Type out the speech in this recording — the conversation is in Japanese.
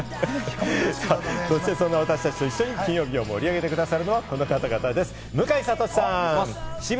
そんな私達と一緒に金曜日を盛り上げてくださるのはこの方たちです。